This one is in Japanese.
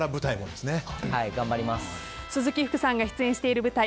鈴木福さん出演している舞台